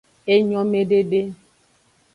Enyomedede.